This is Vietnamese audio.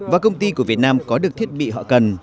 và công ty của việt nam có được thiết bị họ cần